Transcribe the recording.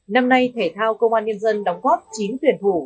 năm nay thể thao công an nhân dân đóng góp chín tuyển thủ